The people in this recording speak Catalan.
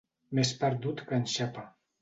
Més perdut que en Xapa.